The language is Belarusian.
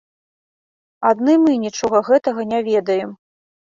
Адны мы нічога гэтага не ведаем!